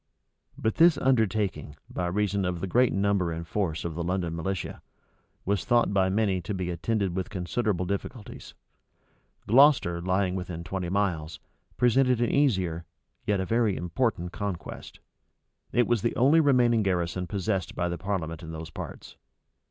But this undertaking, by reason of the great number and force of the London militia, was thought by many to be attended with considerable difficulties. Gloucester, lying within twenty miles, presented an easier, yet a very important conquest. It was the only remaining garrison possessed by the parliament in those parts.